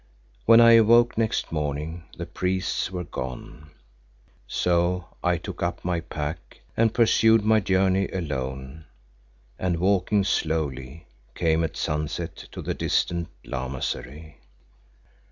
When I awoke next morning the priests were gone. So I took up my pack and pursued my journey alone, and walking slowly came at sunset to the distant lamasery.